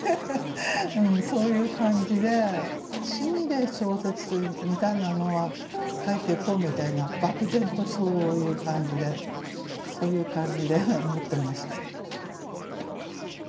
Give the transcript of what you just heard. そういう感じで趣味で小説みたいなのは書いていこうみたいな漠然とそういう感じで思ってました。